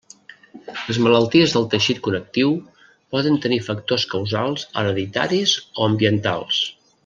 Les malalties del teixit connectiu poden tenir factors causals hereditaris o ambientals.